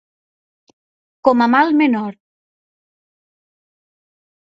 Com a mal menor.